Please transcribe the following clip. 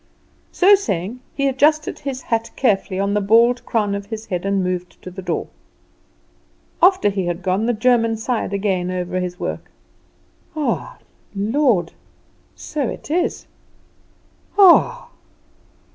So saying, he adjusted his hat carefully on the bald crown of his head, and moved to the door. After he had gone the German sighed again over his work: "Ah, Lord! So it is! Ah!"